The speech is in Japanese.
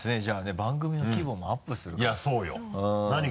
番組の規模もアップするかも。